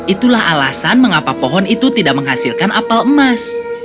itulah alasan mengapa pohon itu tidak menghasilkan apel emas